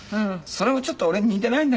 それもちょっと俺に似ていないんだけどね